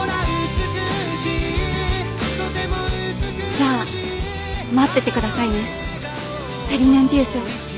じゃあ待ってて下さいねセリヌンティウス。